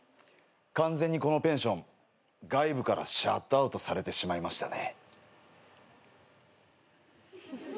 完全にこのペンション外部からシャットアウトされてしまいましたね。